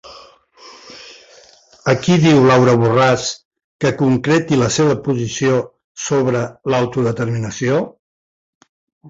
A qui diu Laura Borràs que concreti la seva posició sobre l'autodeterminació?